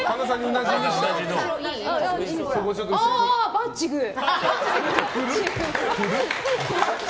バッチグー。